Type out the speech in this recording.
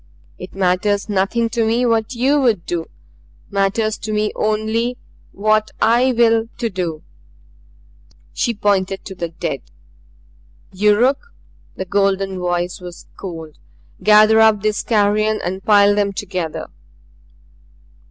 It matters nothing to me what YOU would do. Matters to me only what I will to do." She pointed to the dead. "Yuruk" the golden voice was cold "gather up these carrion and pile them together."